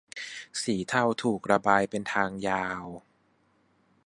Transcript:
สีเทาถูกระบายเป็นทางยาว